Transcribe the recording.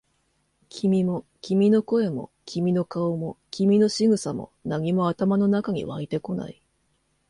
君も、君の声も、君の顔も、君の仕草も、何も頭の中に湧いてこない。